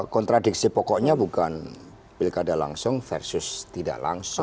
kontradiksi pokoknya bukan pilkada langsung versus tidak langsung